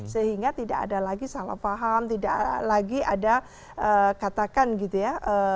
sehingga tidak ada lagi salah paham tidak lagi ada katakan gitu ya